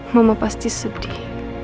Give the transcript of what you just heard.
mama pasti sedih